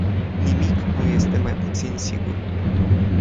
Nimic nu este mai puțin sigur.